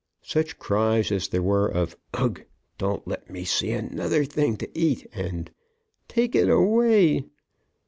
Such cries as there were of "Ugh! Don't let me see another thing to eat!" and "Take it away!"